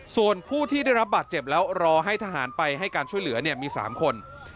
ส่วนผู้ที่ได้รับบาดเจ็บแล้วรอให้ทหารไปให้การช่วยเหลือมี๓คน